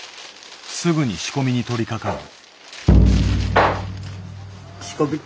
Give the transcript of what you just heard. すぐに仕込みに取りかかる。